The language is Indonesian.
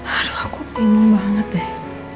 aduh aku pengen banget deh